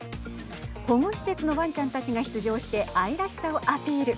保護施設のわんちゃんたちが出場して愛らしさをアピール。